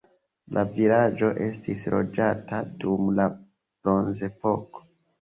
La vilaĝo estis loĝata dum la bronzepoko.